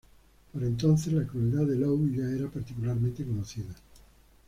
Por entonces, la crueldad de Low ya era particularmente conocida.